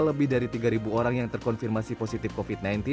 lebih dari tiga orang yang terkonfirmasi positif covid sembilan belas